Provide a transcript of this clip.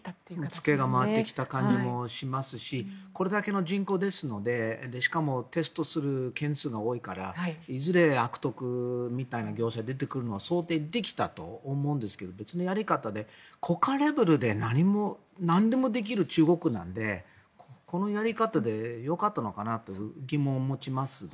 付けが回ってきた感じもしますしこれだけの人口ですのでしかも、テストする件数が多いからいずれ悪徳みたいな業者が出てくるのは想定できたと思うんですけど別のやり方で国家レベルでなんでもできる中国なのでこのやり方でよかったのかなという疑問を持ちます。